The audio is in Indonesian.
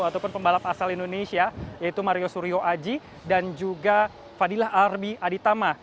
ataupun pembalap asal indonesia yaitu mario suryo aji dan juga fadilah arbi aditama